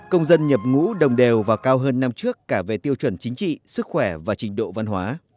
công dân nhập ngũ đồng đều và cao hơn năm trước cả về tiêu chuẩn chính trị sức khỏe và trình độ văn hóa